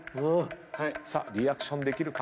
さあリアクションできるか。